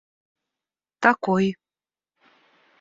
такой